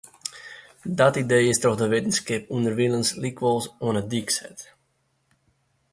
Dat idee is troch de wittenskip ûnderwilens lykwols oan ’e dyk set.